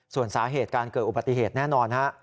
ส่วนสาเหตุการเกิดอุบัติเหตุแน่นอนฮะ